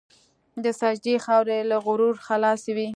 د سجدې خاورې له غرور خلاصوي.